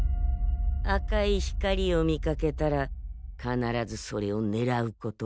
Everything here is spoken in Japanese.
赤い光を見かけたら必ずそれをねらうこと。